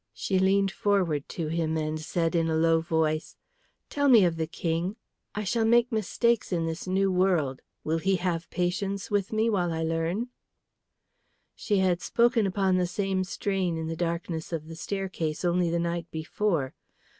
She leaned forward to him and said in a low voice, "Tell me of the King. I shall make mistakes in this new world. Will he have patience with me while I learn?" She had spoken upon the same strain in the darkness of the staircase only the night before.